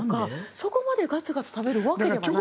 そこまでガツガツ食べるわけではないそうです。